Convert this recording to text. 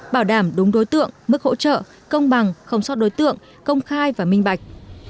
bảo đảm đúng đối tượng mức hỗ trợ công bằng không xót đối tượng công khai và minh bạch